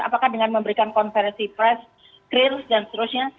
apakah dengan memberikan konversi press clear dan seterusnya